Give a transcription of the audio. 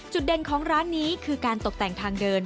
เด่นของร้านนี้คือการตกแต่งทางเดิน